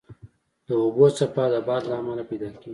د اوبو څپه د باد له امله پیدا کېږي.